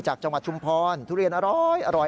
จากจังหวัดชุมพรทุเรียนอร้อย